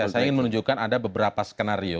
saya ingin menunjukkan ada beberapa skenario